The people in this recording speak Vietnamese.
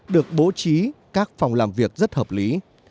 được bố trí các phòng làm việc rất hợp lý